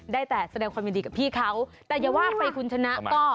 ได้แต่แสดงความยินดีกับพี่เขาแต่อย่าว่าไปคุณชนะก็